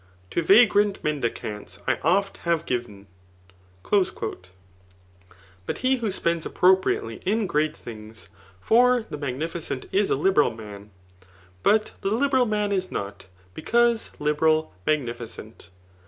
To vagrant mendicanu I oftbavc.giv'n;' but he who spends appropriately in great things. For the magnificent is a liberal man ; but the liberal man is not, because liberal, magnificent.